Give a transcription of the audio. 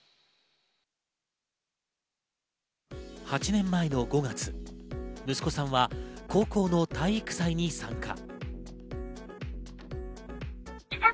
８年前の５月、息子さんは高校の体育祭に参加。